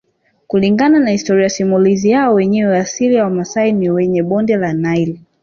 Kulingana na historia simulizi yao wenyewe asili ya Wamasai ni kwenye bonde la Nile